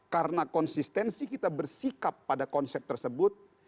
karena konsistensi kita bersikap pada konsep tersebut